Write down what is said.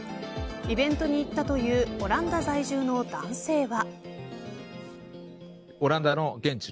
イベントに行ったというオランダ在住の男性は。